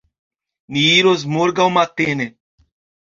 Ni iros morgaŭ matene.